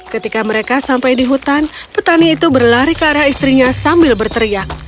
ketika mereka sampai di hutan petani itu berlari ke arah istrinya sambil berteriak